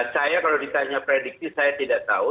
saya kalau ditanya prediksi saya tidak tahu